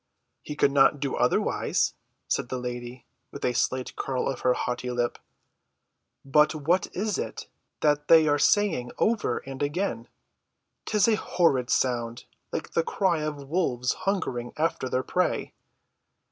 "He could not do otherwise," said the lady, with a slight curl of her haughty lip. "But what is it that they are saying over and again? 'Tis a horrid sound, like the cry of wolves hungering after their prey."